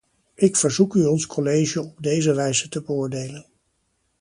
Ik verzoek u ons college op deze wijze te beoordelen.